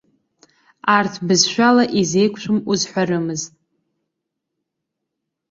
Арҭ бызшәала изеиқәшәом узҳәарымызт.